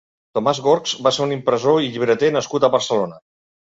Tomàs Gorchs va ser un impressor i llibreter nascut a Barcelona.